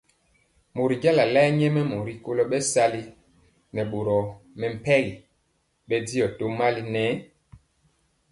Mori jala lae nyɛmemɔ rikolo bɛsali nɛ boro mɛmpegi bɛndiɔ tomali nɛ.